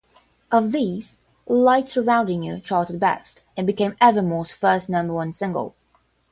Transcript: Of these, "Light Surrounding You" charted best, and became Evermore's first number one single.